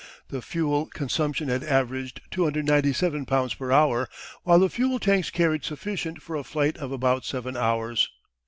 The fuel consumption had averaged 297 pounds per hour, while the fuel tanks carried sufficient for a flight of about seven hours.